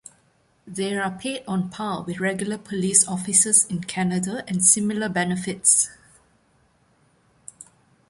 They are paid on par with regular police officers in Canada and similar benefits.